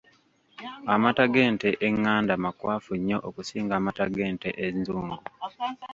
Amata g'ente enganda makwafu nnyo okusinga amata g'ente enzungu.